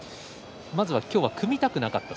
今日は組みたくなかった。